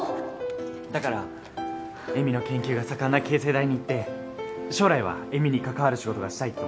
だから恵美の研究が盛んな恵成大に行って将来は恵美に関わる仕事がしたいって思ってる。